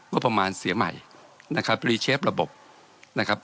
ประมาณเสียใหม่นะครับรีเชฟระบบนะครับ